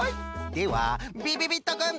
ではびびびっとくん。